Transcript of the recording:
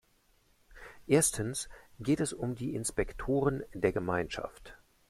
Erstens geht es um die Inspektoren der Gemeinschaft.